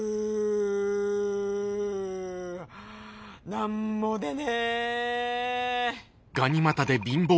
何も出ね。